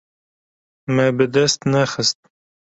Me bi dest nexist.